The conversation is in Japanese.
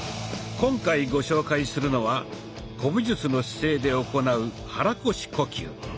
今回ご紹介するのは古武術の姿勢で行う肚腰呼吸。